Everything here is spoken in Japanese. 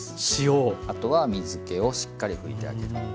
あとは水けをしっかり拭いてあげること。